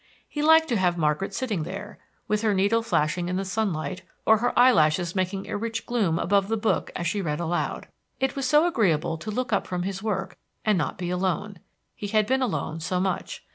He liked to have Margaret sitting there, with her needle flashing in the sunlight, or her eyelashes making a rich gloom above the book as she read aloud. It was so agreeable to look up from his work, and not be alone. He had been alone so much.